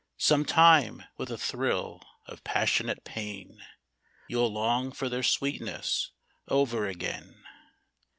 Sometime, with a thrill of passionate pain, You '11 long for their sweetness over again.